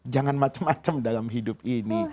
jangan macam macam dalam hidup ini